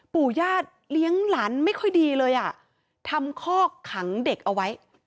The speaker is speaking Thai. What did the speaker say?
ปู่ญาติเลี้ยงหลานไม่ค่อยดีเลยอ่ะทำคอกขังเด็กเอาไว้